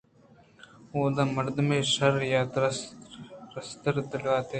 اُود ءَ مردمے شر یا رستر ءُ دلوتے